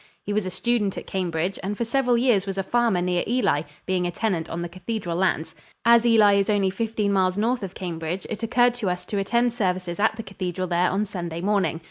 He was a student at Cambridge and for several years was a farmer near Ely, being a tenant on the cathedral lands. As Ely is only fifteen miles north of Cambridge, it occurred to us to attend services at the cathedral there on Sunday morning.